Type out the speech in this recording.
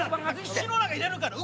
口の中入れるから。